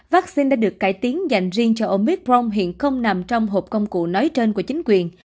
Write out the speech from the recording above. vaccine đã được cải tiến dành riêng cho omic rong hiện không nằm trong hộp công cụ nói trên của chính quyền